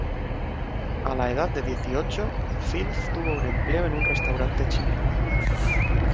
A la edad de dieciocho, Filth tuvo un empleo en un restaurante chino.